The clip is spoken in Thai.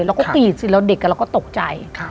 เราก็ปีดสิแล้วเด็กเราก็ตกใจ